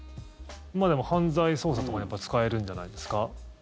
でも犯罪捜査とかにやっぱ使えるんじゃないですか。